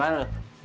eh dari mana lu